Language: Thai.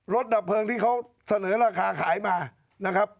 ดับเพลิงที่เขาเสนอราคาขายมานะครับ